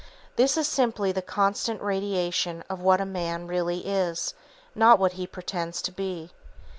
This is simply the constant radiation of what a man really is, not what he pretends to be.